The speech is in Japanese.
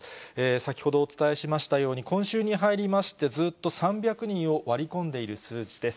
先ほどお伝えしましたように、今週に入りまして、ずっと３００人を割り込んでいる数字です。